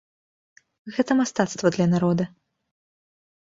Гэта мастацтва для народа.